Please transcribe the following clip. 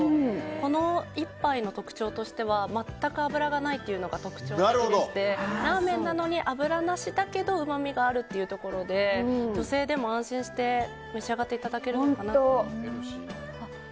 この一杯の特徴としては全く油がないのが特徴でしてラーメンなのに油なしだけどうまみがあるということで女性でも安心して召し上がっていただけるのかなと。